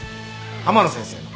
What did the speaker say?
天野先生の。